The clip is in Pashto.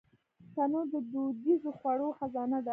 تنور د دودیزو خوړو خزانه ده